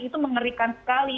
itu mengerikan sekali